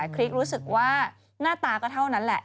คริกรู้สึกว่าหน้าตาก็เท่านั้นแหละ